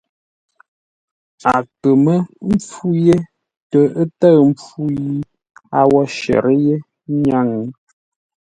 A kə mə́ mpfú yé tə ə́ tə̂ʉ mpfu yi a wo shərə́ yé ńnyáŋ.